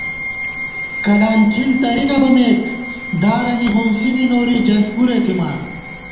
کلان کھِل ترِی نہ بَمېک، دارَنی ہونسی بی نوری جنݪ پُرےتھِمان